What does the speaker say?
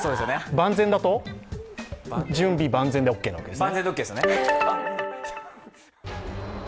万全だと準備万全でオーケーなわけですね。